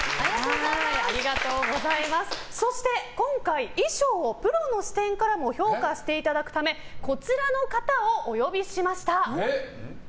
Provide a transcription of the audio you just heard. そして、今回衣装をプロの視点からも評価していただくためこちらの方をお呼びしました。